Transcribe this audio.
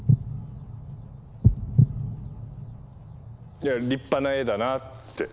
いや立派な絵だなぁって。